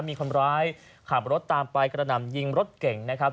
มีคนร้ายขับรถตามไปกระหน่ำยิงรถเก่งนะครับ